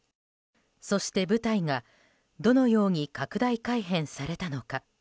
そして部隊がどのように拡大改編されたのか。